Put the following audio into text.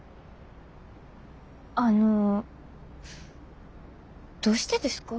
あのどうしてですか？